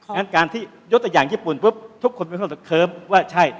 งั้นการที่ยกตัวอย่างญี่ปุ่นทุกคนเคิ้มว่าใช่